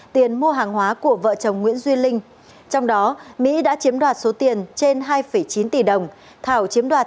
tiền mua hàng hóa của vợ chồng nguyễn duy linh trong đó mỹ đã chiếm đoạt số tiền trên hai chín tỷ đồng thảo chiếm đoạt